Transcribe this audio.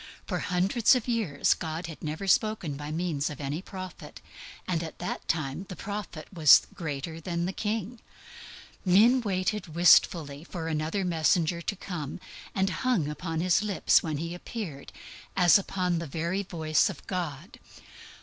For hundreds of years God had never spoken by means of any prophet, and at that time the prophet was greater than the king. Men waited wistfully for another messenger to come, and hung upon his lips when he appeared, as upon the very voice of God.